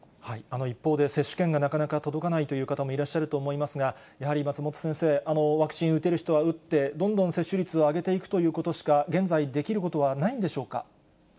一方で接種券がなかなか届かないという方もいらっしゃると思いますが、やはり松本先生、ワクチン打てる人は打って、どんどん接種率を上げていくということしか、現在、できることはないんでしょうか。